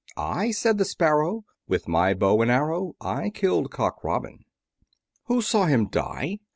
I, said the Sparrow, With my bow and arrow, I kill'd Cock Robin. Who saw him die?